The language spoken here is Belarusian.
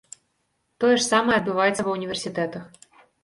Тое ж самае адбываецца ва ўніверсітэтах.